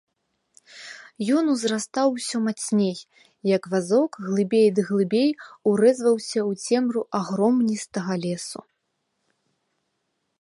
Ён узрастаў усё мацней, як вазок глыбей ды глыбей урэзваўся ў цемру агромністага лесу.